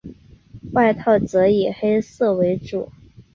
外套则以黑色为主。